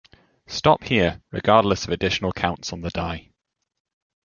Stop here, regardless of additional counts on the die.